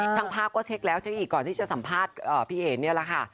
ช่างภาพก็เช็คแล้วเช็คอีกก่อนที่จะสัมภาษณ์พี่เอ๋เนี่ยแหละค่ะ